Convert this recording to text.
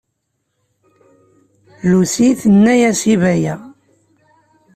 Lucy tenna-as i Baya.